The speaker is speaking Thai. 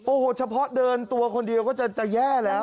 โอ้โหเฉพาะเดินตัวคนเดียวก็จะแย่แล้ว